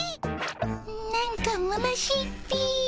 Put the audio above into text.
なんかむなしいっピィ。